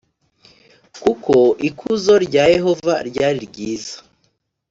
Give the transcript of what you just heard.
kuko ikuzo rya Yehova ryari ryiza